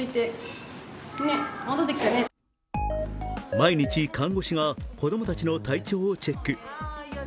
毎日、看護師が子供たちの体調をチェック。